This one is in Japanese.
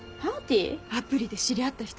アプリで知り合った人がさ